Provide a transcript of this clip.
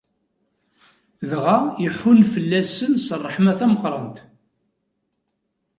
Dɣa iḥunn fell-asen s ṛṛeḥma-s tameqqrant.